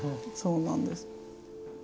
そうなんです。